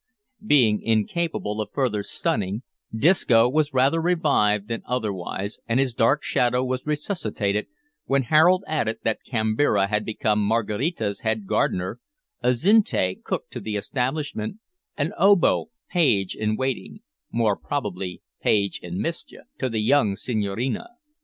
Being incapable of further stunning, Disco was rather revived than otherwise, and his dark shadow was resuscitated, when Harold added that Kambira had become Maraquita's head gardener, Azinte cook to the establishment, and Obo page in waiting more probably page in mischief to the young Senhorina.